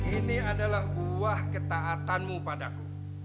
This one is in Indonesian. ini adalah buah ketaatanmu padaku